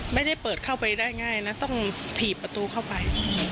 ไม่ได้เปิดเข้าไปได้ง่ายนะต้องถีบประตูเข้าไป